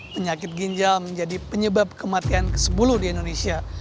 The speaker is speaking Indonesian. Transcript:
penyakit ginjal menjadi penyebab kematian ke sepuluh di indonesia